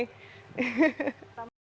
silahkan mbak maya